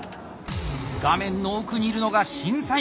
画面の奥にいるのが審査員。